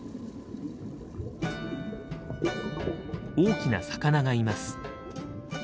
大きな魚がいます。